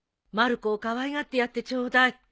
まる子をかわいがってやってちょうだい。